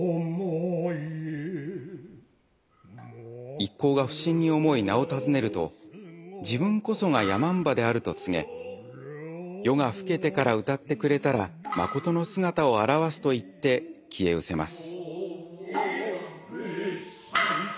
一行が不審に思い名を尋ねると自分こそが山姥であると告げ夜が更けてから歌ってくれたらまことの姿を現すと言って消えうせます。